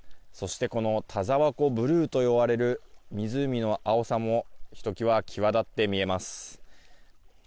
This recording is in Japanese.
この田沢湖ブルーといわれる湖の青さもひときわ、際立って見えます。